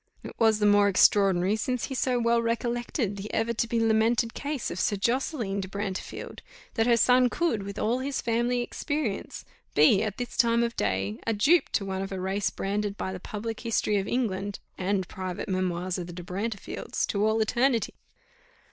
It was the more extraordinary, since he so well recollected the ever to be lamented case of Sir Josseline de Brantefield, that her son could, with all his family experience, be, at this time of day, a dupe to one of a race branded by the public History of England, and private Memoirs of the De Brantefields, to all eternity!